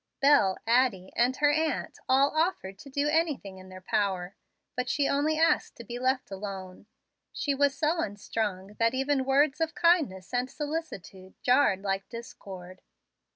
Bel, Addie, and her aunt all offered to do anything in their power; but she only asked to be left alone. She was so unstrung that even words of kindness and solicitude jarred like discord.